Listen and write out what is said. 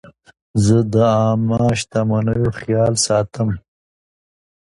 زه د عامه شتمنیو خیال ساتم.